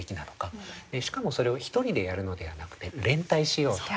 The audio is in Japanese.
しかもそれを一人でやるのではなくて連帯しようと。